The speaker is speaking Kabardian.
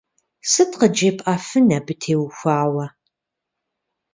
Сыт къыджепӀэфын абы теухуауэ?